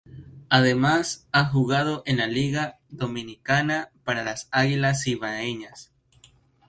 Además ha jugado en la Liga Dominicana para las Águilas Cibaeñas.